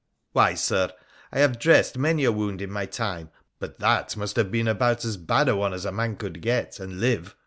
' Why, Sir, I have dressed many a wound in my time, but that must have been about as bad a one as a man could get and live.